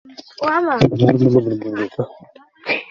তিনি সর্বোচ্চ ও উইকেটের দিক দিয়ে সর্বোচ্চ সংগ্রহ করেন।